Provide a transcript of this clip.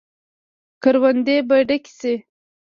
کروندې به ډکې شي.